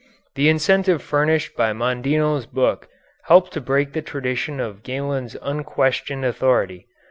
The incentive furnished by Mondino's book helped to break the tradition of Galen's unquestioned authority.